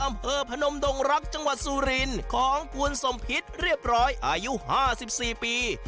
พนมดงรักจังหวัดสุรินของคุณสมพิษเรียบร้อยอายุ๕๔ปี